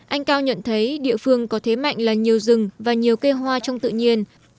anh cao nhận thấy địa phương có thế mạnh là nhiều rừng và nhiều cây hoa trong tự nhiên